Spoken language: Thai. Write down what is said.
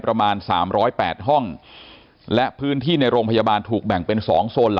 ประมาณ๓๐๘ห้องและพื้นที่ในโรงพยาบาลถูกแบ่งเป็น๒โซน